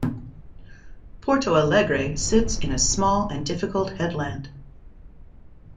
Porto Alegre sits in a small and difficult headland.